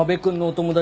友達？